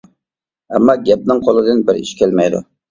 ئەمما گەپنىڭ قولىدىن بىر ئىش كەلمەيدۇ.